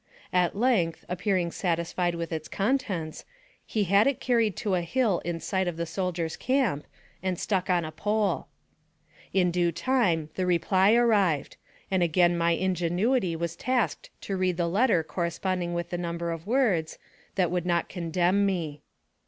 At length, appearing satisfied with its contents, he had it carried to a hill in sight of the soldier's camp, and stuck on a pole. In due time the reply arrived, and again my inge nuity was tasked to read the answer corresponding with the number of words, that would not condemn me.